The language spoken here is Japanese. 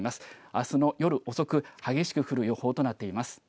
あすの夜遅く激しく降る予報となっています。